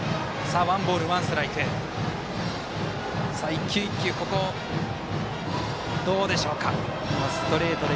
一球一球、どうでしょうか。